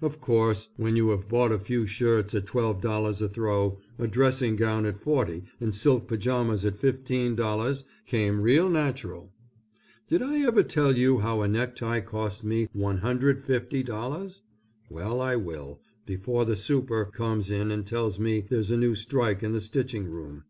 Of course when you had bought a few shirts at twelve dollars a throw, a dressing gown at forty, and silk pajamas at $15 came real natural. Did I ever tell you how a necktie cost me $150? Well I will, before the super. comes in and tells me there's a new strike in the stitching room.